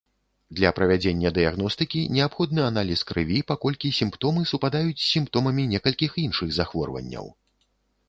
Для правядзення дыягностыкі неабходны аналіз крыві, паколькі сімптомы супадаюць з сімптомамі некалькіх іншых захворванняў.